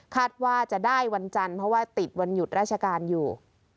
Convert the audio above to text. ว่าจะได้วันจันทร์เพราะว่าติดวันหยุดราชการอยู่